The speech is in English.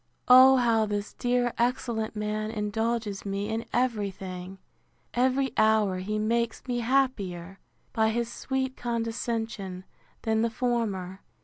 O how this dear excellent man indulges me in every thing! Every hour he makes me happier, by his sweet condescension, than the former.